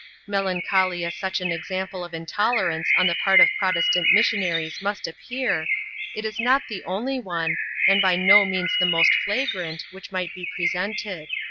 Melancholy as such an example of intolerance on the part of Protestant missionaries must appear, it is not the only one, and by no means the most flagrant, which might be presented.